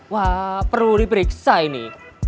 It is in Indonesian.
wah perlu diperiksa ini